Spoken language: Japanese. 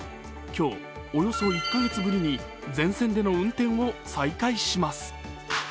今日、およそ１カ月ぶりに全線での運転を再開します。